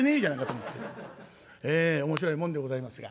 ええ面白いもんでございますが。